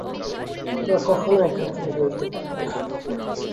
তোমরা কখনো এখান থেকে বেরোতে পারবে না!